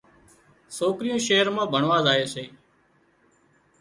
سوڪريون شهر مان ڀڻوا زائي سي